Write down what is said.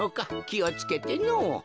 きをつけてのぉ。